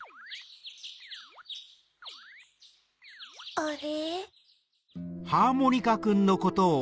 あれ？